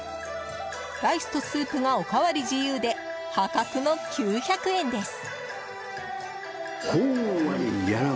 ライスとスープがおかわり自由で破格の９００円です！